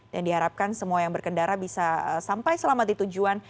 dan diharapkan semua yang berkendara bisa sampai selamat di tujuan